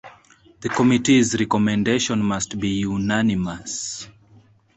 The committee's recommendation must be unanimous.